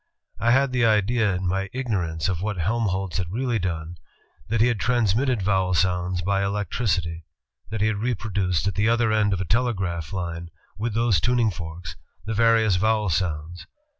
I had the idea, in my ignorance of what ALEXANDER GRAHAM BELL 233 Helmholtz had really done, that he had transmitted vowel sounds by electricity; that he had reproduced at the other end of a telegraph line, with those tuning forks, the various vowel sounds.